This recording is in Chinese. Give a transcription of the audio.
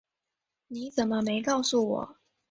你怎么没告诉我